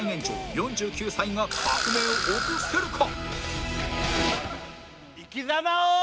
４９歳が革命を起こせるか？